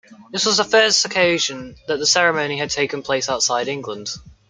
This was the first occasion that the ceremony had taken place outside England.